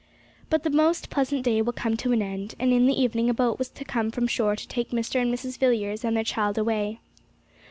But the most pleasant day will come to an end; and in the evening a boat was to come from shore to take Mr. and Mrs. Villiers and their child away.